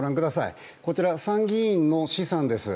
こちら参議院の試算です。